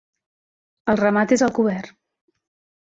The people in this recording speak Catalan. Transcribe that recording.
El ramat és al cobert.